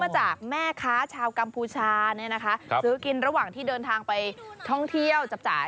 ทำไมล่ะก็เลี้ยหา